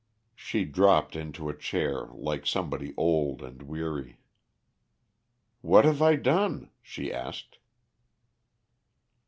She dropped into a chair like somebody old and weary. "What have I done?" she asked.